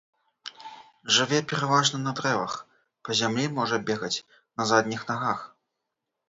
Жыве пераважна на дрэвах, па зямлі можа бегаць на задніх нагах.